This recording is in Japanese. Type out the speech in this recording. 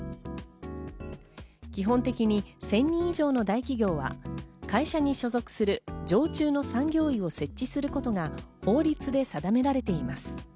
基本的に１０００人以上の大企業は会社に所属する常駐の産業医を設置することが法律で定められています。